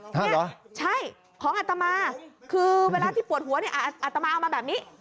หรือใช่ของอัตมาคือเวลาที่ปวดหัวอัตมาเอามาแบบนี้